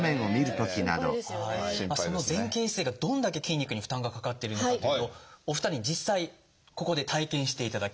その前傾姿勢がどれだけ筋肉に負担がかかっているのかというのをお二人に実際ここで体験していただきます。